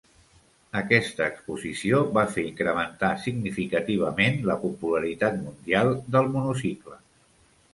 Aquesta exposició va fer incrementar significativament la popularitat mundial del monocicle.